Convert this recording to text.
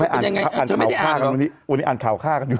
วันนี้อ่านข่าวคล้ากันอยู่